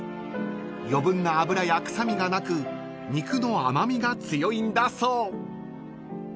［余分な脂や臭みがなく肉の甘味が強いんだそう］